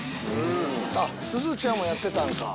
すずちゃんもやってたんだ。